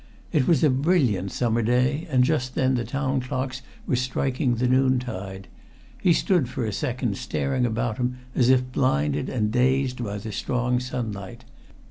It was a brilliant summer day, and just then the town clocks were striking the noontide; he stood for a second staring about him as if blinded and dazed by the strong sunlight.